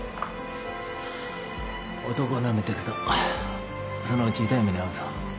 男なめてるとそのうち痛い目に遭うぞ。